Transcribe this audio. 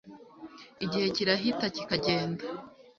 igihe kirahita kikagenda